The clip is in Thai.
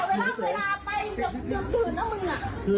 เป็นที่พูดต่อมาอีกเวลาอยู่บอสนะ